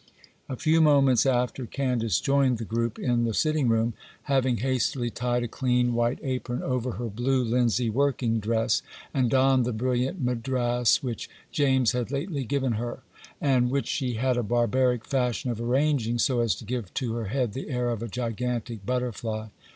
A few moments after Candace joined the group in the sitting room, having hastily tied a clean white apron over her blue linsey working dress, and donned the brilliant Madras which James had lately given her, and which she had a barbaric fashion of arranging so as to give to her head the air of a gigantic butterfly.